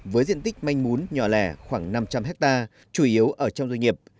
với diện tích manh mún nhỏ lẻ khoảng năm trăm linh hectare chủ yếu ở trong doanh nghiệp